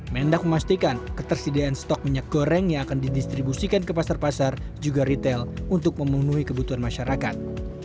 mendak memastikan ketersediaan stok minyak goreng yang akan didistribusikan ke pasar pasar juga retail untuk memenuhi kebutuhan masyarakat